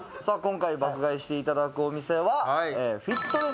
さあ今回爆買いしていただくお店は。